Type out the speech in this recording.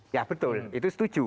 ya betul itu setuju